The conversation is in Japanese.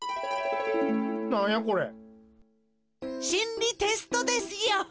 りテストですよ。